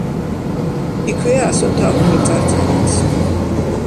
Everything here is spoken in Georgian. იქვეა ასომთავრული წარწერაც.